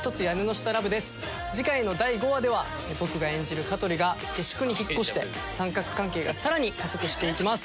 次回の第５話では僕が演じる香取が下宿に引っ越して三角関係が更に加速していきます。